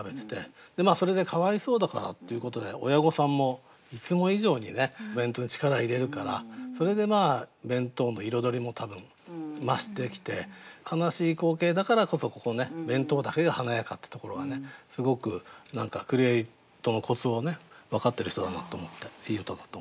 それでかわいそうだからということで親御さんもいつも以上にねお弁当に力入れるからそれで弁当の彩りも多分増してきて悲しい光景だからこそ弁当だけが華やかってところがすごく何かクリエートのコツを分かってる人だなと思っていい歌だと思いました。